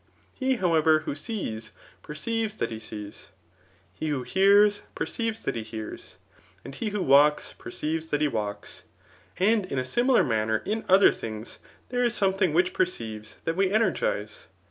He, however, who sees, peirceives that he sees, he who hears, perceives that he bears, and he who walks, perceivei that he walks ; and in a similar manner in other things there is something which percmes that we energize.